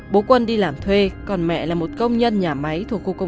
bố quân đi làm thuê còn mẹ là một công nhân nhà máy